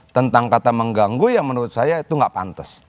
tentang kata mengganggu yang menurut saya itu nggak pantas